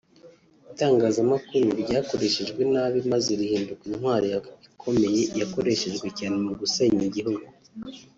Itangazamakuru ryakoreshejwe nabi maze rihinduka intwaro ikomeye yakoreshejwe cyane mu gusenya igihugu